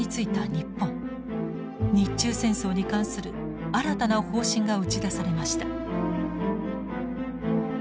日中戦争に関する新たな方針が打ち出されました。